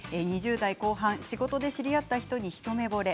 ２０代後半仕事で知り合った人に一目ぼれ。